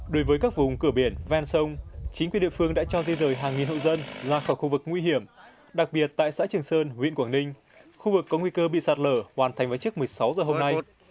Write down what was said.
đối với các vùng cửa biển ven sông chính quyền địa phương đã cho di rời hàng nghìn hộ dân ra khỏi khu vực nguy hiểm đặc biệt tại xã trường sơn huyện quảng ninh khu vực có nguy cơ bị sạt lở hoàn thành vào trước một mươi sáu h hôm nay